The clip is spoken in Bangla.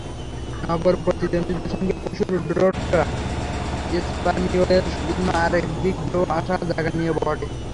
নগরপ্রতিদ্বন্দ্বীদের সঙ্গে পরশুর ড্রটা এসপানিওলের জন্য আরেক দিক দিয়েও আশা-জাগানিয়া বটে।